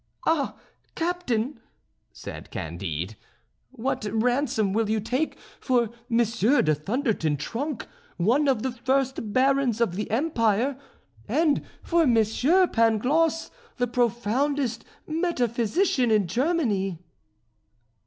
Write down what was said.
"Ah! captain," said Candide, "what ransom will you take for Monsieur de Thunder ten Tronckh, one of the first barons of the empire, and for Monsieur Pangloss, the profoundest metaphysician in Germany?"